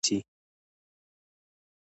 عزت مهم دئ، پېسې خو هر څوک درلودلای سي.